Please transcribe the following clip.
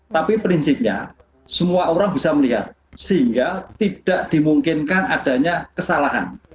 tapi prinsipnya semua orang bisa melihat sehingga tidak dimungkinkan adanya kesalahan